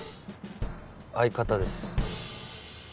相方です。